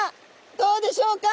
どうでしょうか？